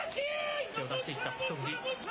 手を出していった北勝富士。